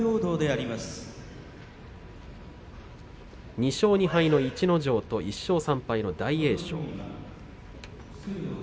２勝２敗の逸ノ城１勝３敗の大栄翔です。